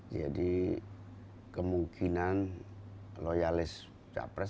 jadi kemungkinan loyalis capres